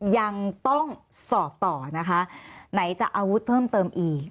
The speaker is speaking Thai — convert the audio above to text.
ยังต้องสอบต่อนะคะไหนจะอาวุธเพิ่มเติมอีก